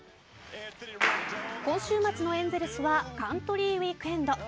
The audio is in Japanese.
今週末のエンゼルスはカントリーウイークエンド。